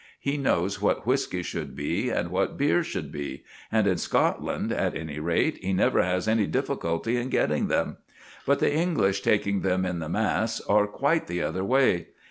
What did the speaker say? He knows what whisky should be and what beer should be, and in Scotland, at any rate, he never has any difficulty in getting them. But the English, taking them in the mass, are quite the other way.